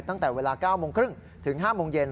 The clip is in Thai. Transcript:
ตั้งแต่เวลา๙โมงครึ่งถึง๕โมงเย็น